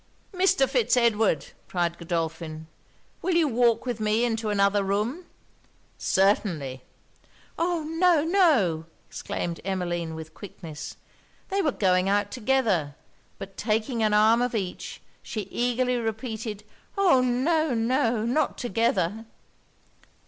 'Mr. Fitz Edward,' cried Godolphin, 'will you walk with me into another room?' 'Certainly.' 'Oh! no! no!' exclaimed Emmeline with quickness. They were going out together; but taking an arm of each, she eagerly repeated 'oh! no! no! not together!'